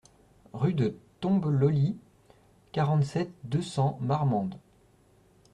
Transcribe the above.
Rue de Tombeloly, quarante-sept, deux cents Marmande